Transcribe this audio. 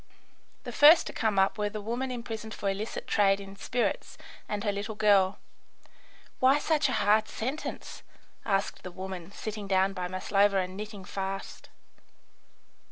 The first to come up were the woman imprisoned for illicit trade in spirits, and her little girl. "Why such a hard sentence?" asked the woman, sitting down by Maslova and knitting fast.